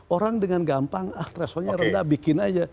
orang dengan gampang ah thresholdnya rendah bikin saja